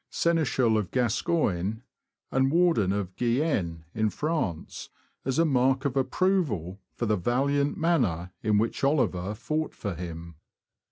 Seneschal of Gascoine, and Warden of Guyenne, in France, as a mark of approval for the valiant manner in which Oliver fought for him.